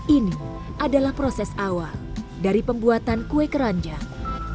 ini adalah proses awal dari pembuatan kue keranjang